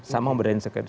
sama brand sekaligus